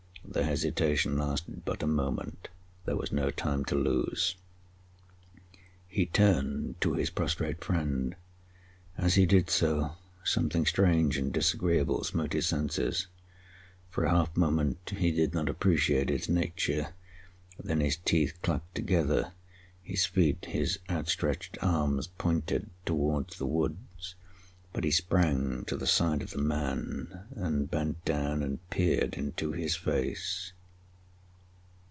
The hesitation lasted but a moment. There was no time to lose. He turned to his prostrate friend. As he did so, something strange and disagreeable smote his senses. For a half moment he did not appreciate its nature. Then his teeth clacked together, his feet, his outstretched arms pointed towards the woods. But he sprang to the side of the man and bent down and peered into his face.